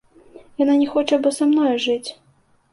Яна не хоча бо са мною жыць!